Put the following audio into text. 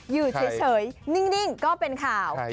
อยู่เฉยนิ่งก็เป็นข่าว